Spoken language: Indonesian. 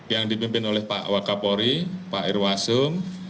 yang dipimpin oleh pak wakapori pak irwasum